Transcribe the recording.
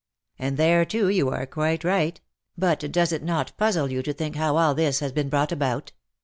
" And there, too, you are quite right. But does it not puzzle you to think how all this has been brought about